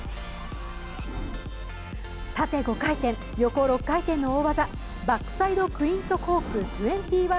縦５回転、横６回転の大技、バックサイドクイントコーク２１６０。